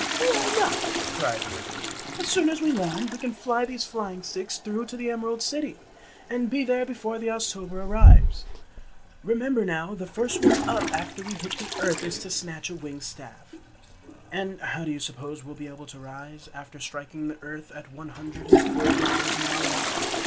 "Why not?" cried the Wizard. "As soon as we land, we can fly these flying sticks straight to the Emerald City, and be there before the Oztober arrives. Remember now, the first one up after we hit the earth is to snatch a winged staff." "And how do you suppose we will be able to rise, after striking the earth at one hundred and forty miles an hour?"